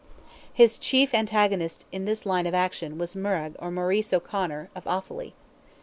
His chief antagonist in this line of action was Murrogh or Maurice O'Conor, of Offally.